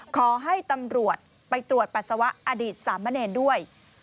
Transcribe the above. ขอให้ตำรวจไปตรวจปัสสาวะอดีตสามเณรด้วย